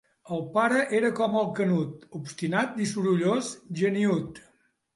El pare era com el Canut, obstinat i sorollós, geniüt.